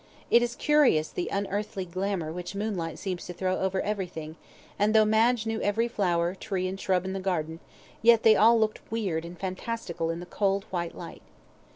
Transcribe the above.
It is curious the unearthly glamour which moonlight seems to throw over everything, and though Madge knew every flower, tree, and shrub in the garden, yet they all looked weird and fantastical in the cold, white light.